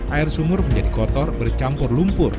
air sumur menjadi kotor bercampur lumpur